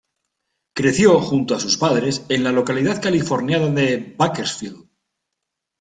Creció junto a sus padres en la localidad californiana de Bakersfield.